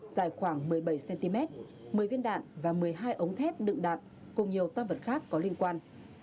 dài khoảng một mươi bảy cm một mươi viên đạn và một mươi hai ống thép đựng đạn cùng nhiều tam vật khác có liên quan